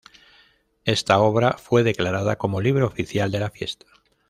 Esta obra fue declarada como libro oficial de la fiesta.